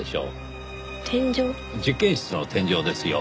実験室の天井ですよ。